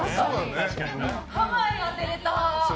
ハワイは当てられた。